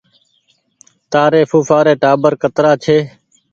تآري ڦوڦآ ري ٽآٻر ڪترآ ڇي